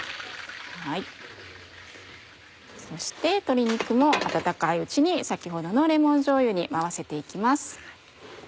そして鶏肉も温かいうちに先ほどのレモンじょうゆに合わせて行きます。